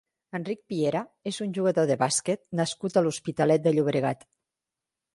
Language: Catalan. Enric Piera és un jugador de bàsquet nascut a l'Hospitalet de Llobregat.